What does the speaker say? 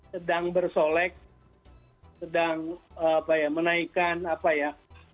sedang bersolek sedang menaikan apa ya